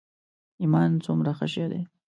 ایمان څومره ښه شی دی.